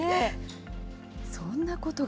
そんなことが。